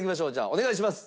お願いします。